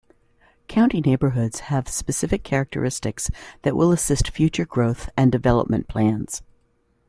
County Neighbourhoods have specific characteristics that will assist future growth and development plans.